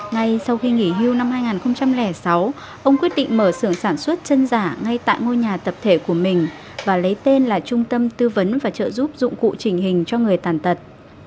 ngay sau khi nghỉ hưu năm hai nghìn sáu ông quyết định mở xưởng sản xuất chân giả ngay tại ngôi nhà tập thể của mình và lấy tên là trung tâm tư vấn và trợ giúp dụng cụ trình hình cho người tàn tật